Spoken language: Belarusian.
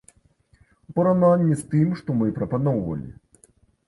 У параўнанні з тым, што мы прапаноўвалі.